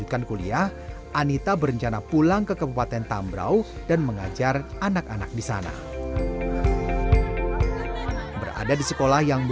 saya di sana hanya dengan satu suku doang